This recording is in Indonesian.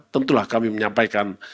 tentulah kami menyampaikan